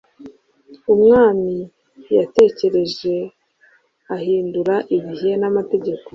umwani yatekereje uhindura ibihe namategeko